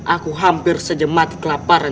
aku hampir sejemat kelaparan